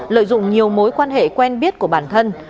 lợi dụng nhiều mối quan hệ quen biết của bản thân